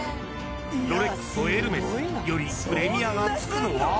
ロレックスとエルメスよりプレミアがつくのは？